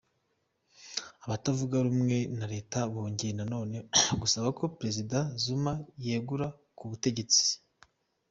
Abatavuga rumwe na leta bongeye na none gusaba ko Perezida Zuma yegura ku butegetsi.